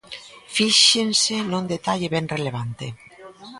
Fíxense nun detalle ben relevante.